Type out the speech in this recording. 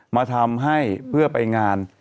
มาทำให้เพื่อไปงาน